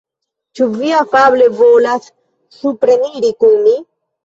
Ĉu vi afable volas supreniri kun mi?